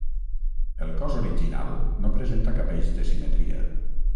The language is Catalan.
El cos original no presenta cap eix de simetria.